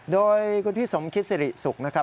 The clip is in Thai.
โดยคุณพี่สมคิดสิริสุขนะครับ